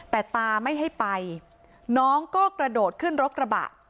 แต่ตาไม่ให้ไปน้องก็กระโดดขึ้นรถกระบะ